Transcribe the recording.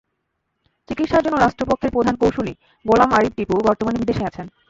চিকিৎসার জন্য রাষ্ট্রপক্ষের প্রধান কৌঁসুলি গোলাম আরিফ টিপু বর্তমানে বিদেশে আছেন।